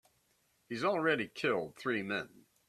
He's already killed three men.